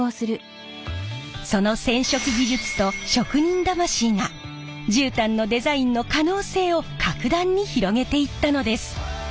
その染色技術と職人魂が絨毯のデザインの可能性を格段に広げていったのです。